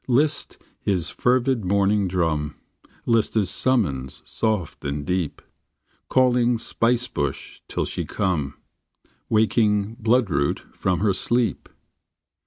List his fervid morning drum, List his summons soft and deep, Calling spice bush till she come, Waking bloodroot from her sleep.